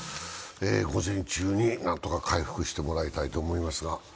午前中に何とか回復してもらいたいと思います。